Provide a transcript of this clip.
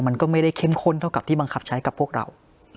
มันก็ไม่ได้เข้มข้นเท่ากับที่บังคับใช้กับพวกเรา